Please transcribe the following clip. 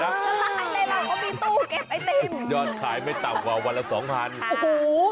ละลายได้แล้วเขามีตู้เก็บไอติม